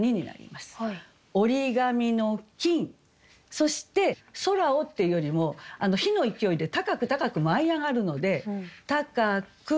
そして「宙を」っていうよりも火の勢いで高く高く舞い上がるので「高く」。